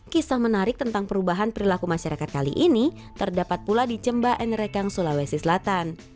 kisah menarik tentang perubahan perilaku masyarakat kali ini terdapat pula di cemba nrekang sulawesi selatan